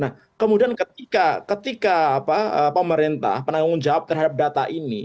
nah kemudian ketika pemerintah penanggung jawab terhadap data ini